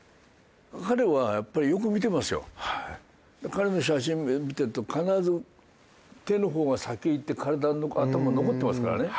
彼の写真を見てると必ず手の方が先にいって体と頭残ってますからね。